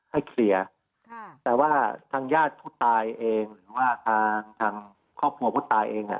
เคลียร์ค่ะแต่ว่าทางญาติผู้ตายเองหรือว่าทางทางครอบครัวผู้ตายเองอ่ะ